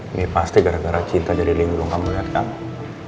ini pasti gara gara cinta dari lingkungan melihat kamu